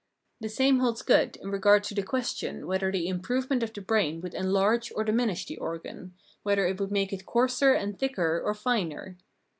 The same holds good in regard to the question whether the improvement of the brain would enlarge or diminish the organ, whether it would make it coarser and thicker or finer.